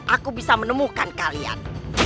aku bisa menemukan kalian